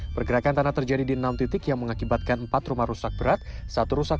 pergerakan tanah terjadi di enam titik yang mengakibatkan empat rumah rusak berat satu rusak